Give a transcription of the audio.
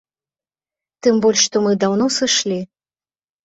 Тым больш што мы даўно сышлі.